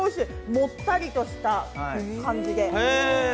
もっさりとした感じで。